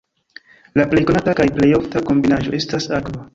La plej konata kaj plej ofta kombinaĵo estas akvo.